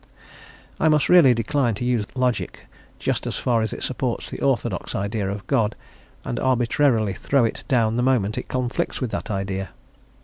I must really decline to use logic just as far as it supports the orthodox idea of God, and arbitrarily throw it down the moment it conflicts with that idea.